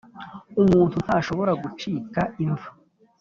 umuntu ntashobora gucika imva